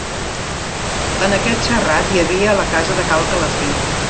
En aquest serrat hi havia la casa de Cal Calafí.